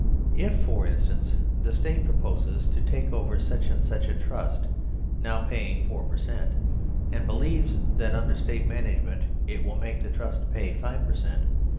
If, for instance, the State proposes to take over such and such a trust now paying 4 per cent, and believes that under State management it will make the trust pay 5 per cent.